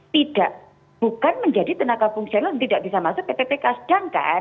tidak bukan menjadi tenaga fungsional yang tidak bisa masuk ptpk sedangkan